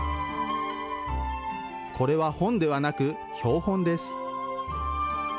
これは本ではなく標本です。